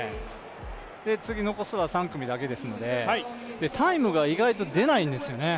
次、残すは３組だけですので、タイムが意外と出ないんですよね。